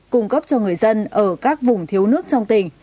cung cấp cho người dân ở các vùng thiếu nước trong tỉnh